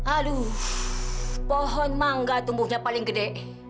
aduh pohon mangga tumbuhnya paling gede